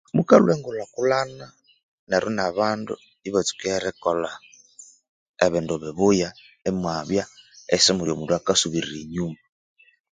Mukalhwa engulha-kulhana neryo nabandu ibatsuka erikolha ebindu bibuya imwabya esimuli omundu oyukasubirira enyuma